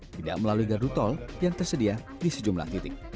tidak melalui gardu tol yang tersedia di sejumlah titik